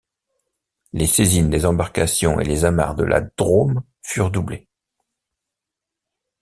Les saisines des embarcations et les amarres de la drome furent doublées.